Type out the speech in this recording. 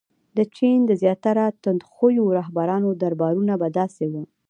• د چین د زیاتره تندخویو رهبرانو دربارونه به داسې وو.